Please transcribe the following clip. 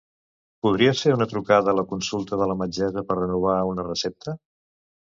Podries fer una trucada la consulta de la metgessa per a renovar una recepta?